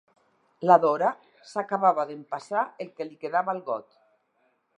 La Dora s'acaba d'empassar el que li quedava al got.